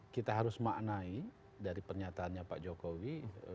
kita harus maknai dari pernyataannya pak jokowi